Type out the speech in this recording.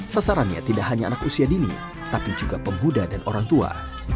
sasarannya tidak hanya anak usia dini tapi juga pemuda dan orang tua